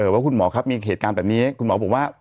ว่าคุณหมอครับมีเหตุการณ์แบบนี้คุณหมอบอกว่า